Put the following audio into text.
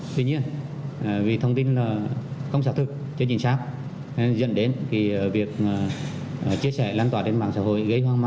tuy nhiên vì thông tin không xác thực chưa chính xác nên dẫn đến việc chia sẻ lan tỏa trên mạng xã hội